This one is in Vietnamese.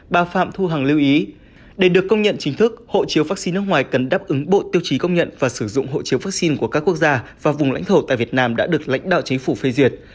bà phạm thu hằng lưu ý để được công nhận chính thức hộ chiếu vaccine nước ngoài cần đáp ứng bộ tiêu chí công nhận và sử dụng hộ chiếu vaccine của các quốc gia và vùng lãnh thổ tại việt nam đã được lãnh đạo chính phủ phê duyệt